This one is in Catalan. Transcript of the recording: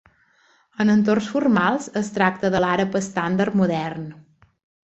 En entorns formals, es tracta de l'àrab estàndard modern.